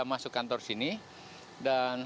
masuk kantor sini dan